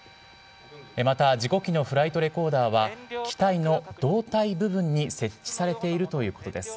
また事故機のフライトレコーダーは、機体の胴体部分に設置されているということです。